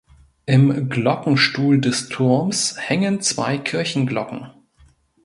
Im Glockenstuhl des Turms hängen zwei Kirchenglocken.